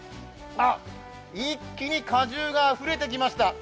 一気に果汁があふれてきました。